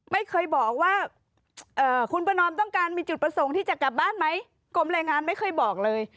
ไม่เคยบอกว่าคุณประนอมต้องการมีจุดประสงค์ที่จะกลับบ้านไหมกรมแรงงานไม่เคยบอกเลย